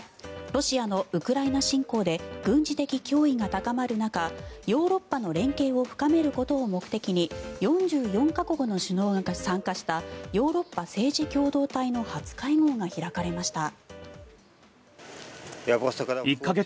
ロシアのウクライナ侵攻で軍事的脅威が高まる中ヨーロッパの連携を深めることを目的に４４か国の首脳が参加したヨーロッパ政治共同体の初会合が開かれました。